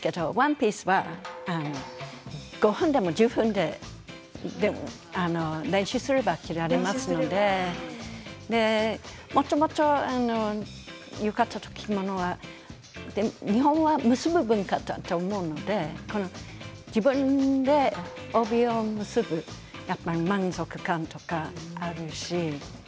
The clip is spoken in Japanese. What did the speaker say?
浴衣は５分でも１０分でも練習すれば着られますのでもともと浴衣と着物は日本は結ぶ文化だと思いますので自分で帯を結ぶ満足感とかあるし。